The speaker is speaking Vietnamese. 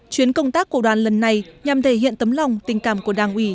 chuyến công tác của đoàn lần này nhằm thể hiện tấm lòng tình cảm của đảng ủy